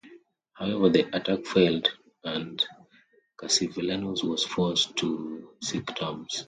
However the attack failed and Cassivellaunus was forced to seek terms.